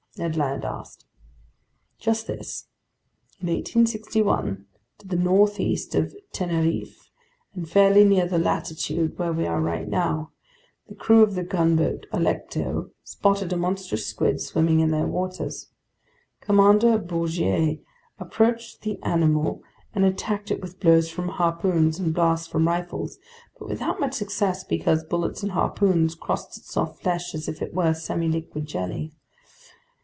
Ned Land asked. "Just this. In 1861, to the northeast of Tenerife and fairly near the latitude where we are right now, the crew of the gunboat Alecto spotted a monstrous squid swimming in their waters. Commander Bouguer approached the animal and attacked it with blows from harpoons and blasts from rifles, but without much success because bullets and harpoons crossed its soft flesh as if it were semiliquid jelly.